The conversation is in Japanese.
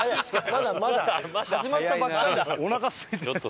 まだまだ始まったばっかりですよ。